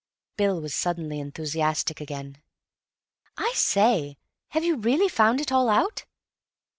Bill was suddenly enthusiastic again. "I say, have you really found it all out?"